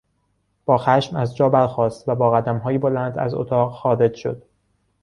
با خشم از جا برخاست و با قدمهای بلند از اتاق خارج شد.